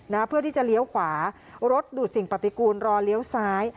เพื่อที่จะเลี้ยวขวารถดูดสิ่งปฏิกูลรอเลี้ยวซ้าย